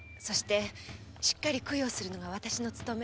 しっかり供養するのが私の務め。